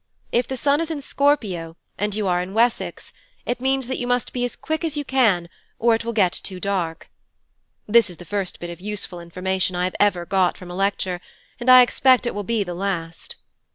If the sun is in Scorpio, and you are in Wessex, it means that you must be as quick as you can, or it will get too dark. (This is the first bit of useful information I have ever got from a lecture, and I expect it will be the last.)